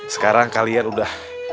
sekarang kalian udah